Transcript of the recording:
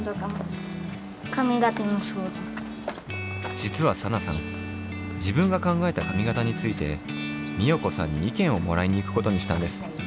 じつはサナさん自分が考えた髪型について美代子さんにいけんをもらいに行くことにしたんです。